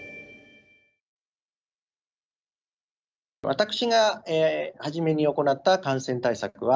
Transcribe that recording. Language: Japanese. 私が初めに行った感染対策は